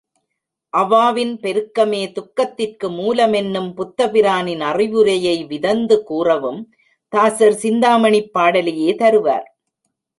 அவாவின் பெருக்கமே துக்கத்திற்கு மூலமென்னும் புத்தபிரானின் அறிவுரையை விதந்து கூறவும் தாசர் சிந்தாமணிப் பாடலையே தருவார்.